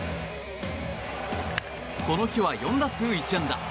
この日は４打数１安打。